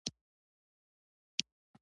اخر ولې بې وفا شوي؟ دا په څه رانه جدا شوي؟